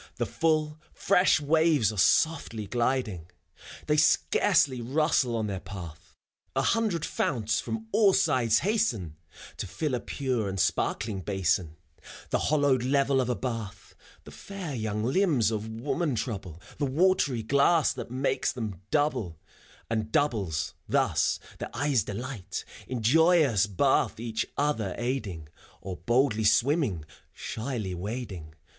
The full, fresh waves are softly ^ding; They scarcely rustle on their path : A hundred founts from all sides hasten, To fill a pure and sparkling basin, The hollowed level of a bath. The fair young limbs of women trouble The watery glass that makes them double, And doubles, thus, the eye's delight: In joyous bath each other aiding, Or boldly swimming, shyly wading.